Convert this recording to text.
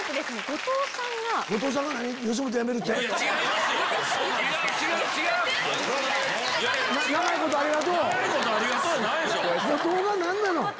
後藤が何なの？